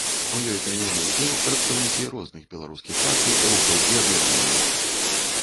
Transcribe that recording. У ёй прынялі ўдзел прадстаўнікі розных беларускіх партый, рухаў і аб'яднанняў.